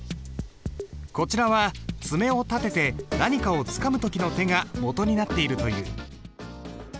こちらは爪を立てて何かをつかむ時の手がもとになっているという。